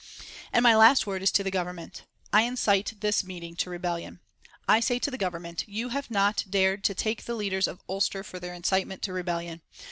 And my last word is to the Government: I incite this meeting to rebellion. I say to the Government: You have not dared to take the leaders of Ulster for their incitement to rebellion.